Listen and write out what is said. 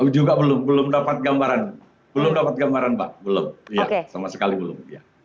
juga belum dapat gambaran belum dapat gambaran pak belum sama sekali belum